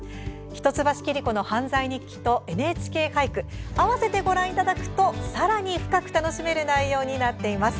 「一橋桐子の犯罪日記」と「ＮＨＫ俳句」合わせてご覧いただくとさらに深く楽しめる内容になっています。